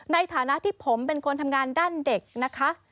ในฐานะที่ผมเป็นคนทำงานด้านเด็กนะคะ